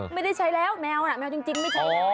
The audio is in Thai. ไม่ได้ใช้แล้วแมวน่ะแมวจริงไม่ใช้แล้ว